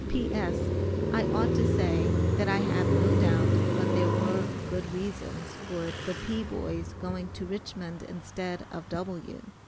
P.S. I ought to say, that I have no doubt but there were good reasons for the P. Boy's going to Richmond instead of W.